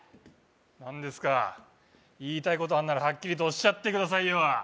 何ですか言いたいことあるならハッキリとおっしゃってくださいよ